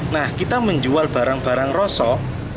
nah kita menjual barang barang rosok